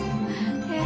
え